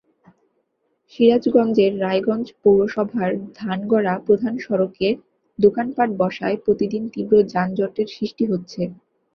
সিরাজগঞ্জের রায়গঞ্জ পৌরসভার ধানগড়া প্রধান সড়কে দোকানপাট বসায় প্রতিদিন তীব্র যানজটের সৃষ্টি হচ্ছে।